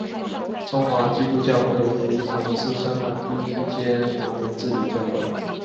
中华基督教会合一堂是香港第一间华人自理的教会。